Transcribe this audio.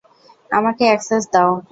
আমাকে অ্যাক্সেস দাও।